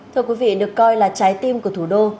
thưa quý vị được coi là trái tim của thủ đô